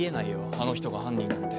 あの人が犯人なんて。